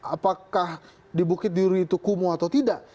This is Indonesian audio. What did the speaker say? apakah di bukit duri itu kumuh atau tidak